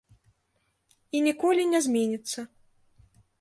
І ніколі не зменіцца.